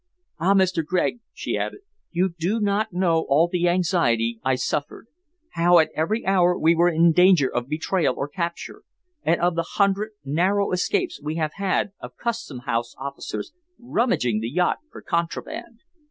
Ah! Mr. Gregg," she added, "you do not know all the anxiety I suffered, how at every hour we were in danger of betrayal or capture, and of the hundred narrow escapes we have had of Custom House officers rummaging the yacht for contraband.